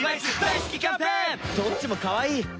どっちもかわいい！